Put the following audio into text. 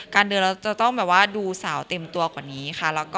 เดินเราจะต้องแบบว่าดูสาวเต็มตัวกว่านี้ค่ะ